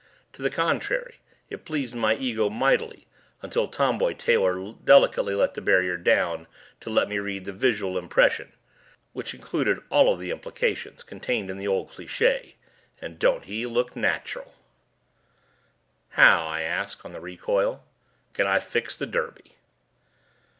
To the contrary it pleased my ego mightily until Tomboy Taylor deliberately let the barrier down to let me read the visual impression which included all of the implications contained in the old cliché: "... And don't he look nacheral?" "How," I asked on the recoil, "can I fix the Derby?"